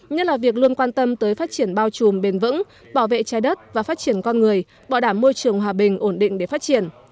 nhất là việc luôn quan tâm tới phát triển bao trùm bền vững bảo vệ trái đất và phát triển con người bảo đảm môi trường hòa bình ổn định để phát triển